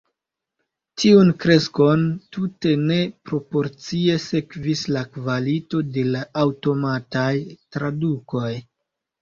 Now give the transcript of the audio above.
Tiun kreskon tute ne proporcie sekvis la kvalito de la aŭtomataj tradukoj.